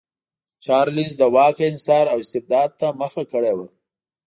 چارلېز د واک انحصار او استبداد ته مخه کړې وه.